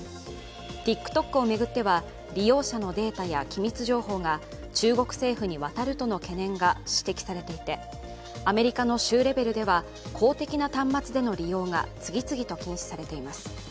ＴｉｋＴｏｋを巡っては利用者のデータや機密情報が中国政府に渡るとの懸念が指摘されていて、アメリカの州レベルでは公的な端末での利用が次々と禁止されています。